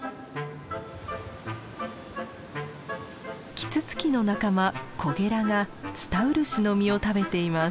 キツツキの仲間コゲラがツタウルシの実を食べています。